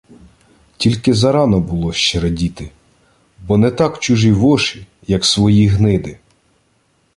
Тільки зарано було ще радіти, бо не так чужі воші, як свої гниди.